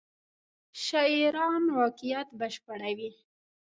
شاعران واقعیت بشپړوي.